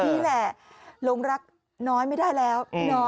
นี่แหละหลงรักน้อยไม่ได้แล้ว